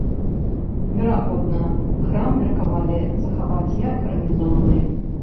Верагодна, храм меркавалі захаваць як гарнізонны.